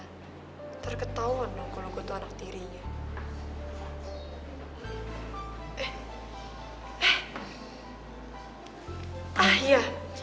ntar ketauan loh kalo gue tuh anak tirinya